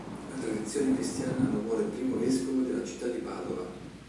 La tradizione cristiana lo vuole primo vescovo della città di Padova.